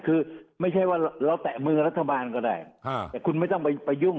คือไม่ใช่ว่าเราแตะมือรัฐบาลก็ได้แต่คุณไม่ต้องไปยุ่ง